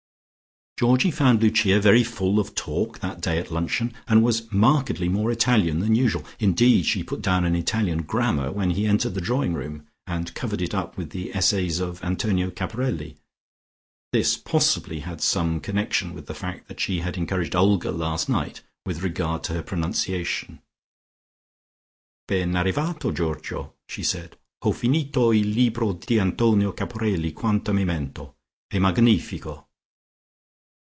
Georgie found Lucia very full of talk that day at luncheon, and was markedly more Italian than usual. Indeed she put down an Italian grammar when he entered the drawing room, and covered it up with the essays of Antonio Caporelli. This possibly had some connection with the fact that she had encouraged Olga last night with regard to her pronunciation. "Ben arrivato, Georgio," she said. "_Ho finito il libro di Antonio Caporelli quanta memento. E magnifico!